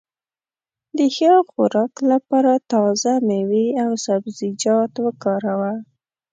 د ښه خوراک لپاره تازه مېوې او سبزيجات وکاروه.